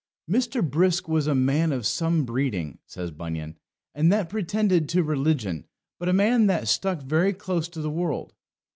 "Mr. Brisk was a man of some breeding," says Bunyan, "and that pretended to religion; but a man that stuck very close to the world."